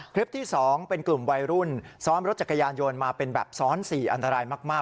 คลิปที่๒เป็นกลุ่มวัยรุ่นซ้อนรถจักรยานยนต์มาเป็นแบบซ้อน๔อันตรายมาก